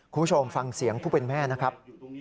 คุณผู้ชมฟังเสียงผู้เป็นแม่นะครับ